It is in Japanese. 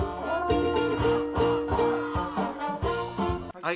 はい。